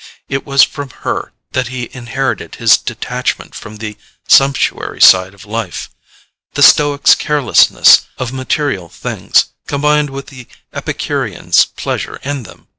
It was from her that he inherited his detachment from the sumptuary side of life: the stoic's carelessness of material things, combined with the Epicurean's pleasure in them.